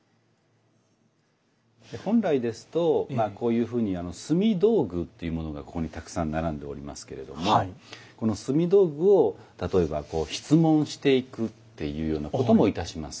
本来ですとまあこういうふうに炭道具というものがここにたくさん並んでおりますけれどもこの炭道具を例えばこう質問していくっていうようなこともいたします。